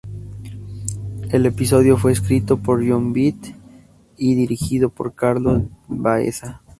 El episodio fue escrito por Jon Vitti y dirigido por Carlos Baeza.